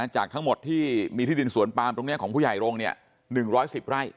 จากทั้งหมดที่มีที่ดินสวนปามตรงนี้ของผู้ใหญ่โรง๑๑๐ไร่